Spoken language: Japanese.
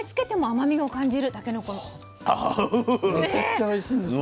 めちゃくちゃおいしいんですよ。